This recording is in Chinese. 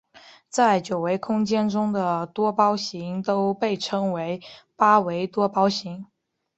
在九维空间中的多胞形都被称为八维多胞形。